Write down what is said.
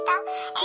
え！